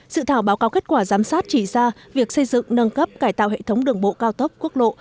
sự thảo báo cáo kết quả giám sát chỉ ra việc xây dựng nâng cấp cải tạo hệ thống đường bộ cao tốc quốc lộ